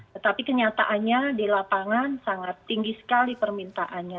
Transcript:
tetapi kenyataannya di lapangan sangat tinggi sekali permintaannya